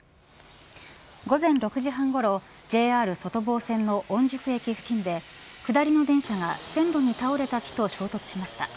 午前６時半ごろＪＲ外房線の御宿駅付近で下りの電車が線路に倒れた木と衝突しました。